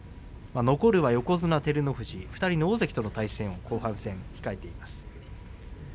残るは横綱照ノ富士２人の大関との対戦後半戦に控えています。